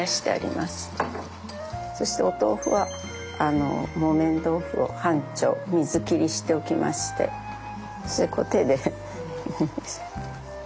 そしてお豆腐は木綿豆腐を半丁水切りしておきましてそれをこう手で。